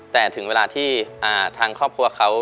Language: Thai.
แต่ถึงเวลาที่ทางครอบครัวเขา